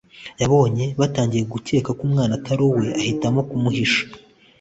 Yabonye batangiye gukeka ko umwana Atari uwe ahitamo kumuhisha